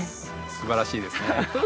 すばらしいですね。